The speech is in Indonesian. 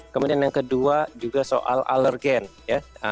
kemudian yang kedua juga soal alergen ya